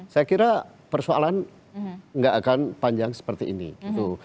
saya kira persoalan nggak akan panjang seperti ini gitu